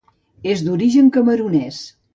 És d'origen camerunès.